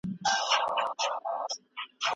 ایا ته پوهېږې چي مسوده څه ته وايي؟